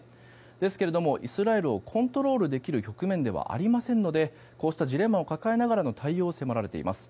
ですがイスラエルをコントロールできる局面ではありませんのでこうしたジレンマを抱えながらの対応を迫られています。